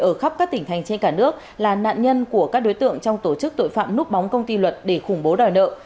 ở khắp các tỉnh thành trên cả nước là nạn nhân của các đối tượng trong tổ chức tội phạm núp bóng công ty luật để khủng bố đòi nợ